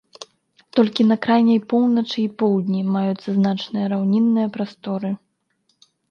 Толькі на крайняй поўначы і поўдні маюцца значныя раўнінныя прасторы.